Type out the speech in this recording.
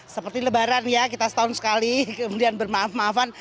seperti lebaran ya kita setahun sekali kemudian bermaaf maafan